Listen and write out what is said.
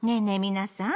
皆さん。